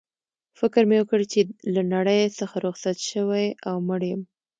فکر مې وکړ چي له نړۍ څخه رخصت شوی او مړ یم.